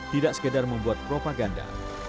tidak sekedar membuat propaganda